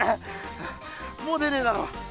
もう出ねえだろ。